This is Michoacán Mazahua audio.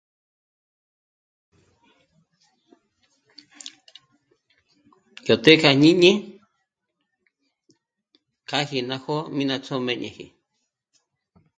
Yó té'e kja jñíñi kjàji ná jó'o mí ná ts'òmbéñeji